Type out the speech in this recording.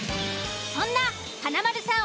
そんな華丸さん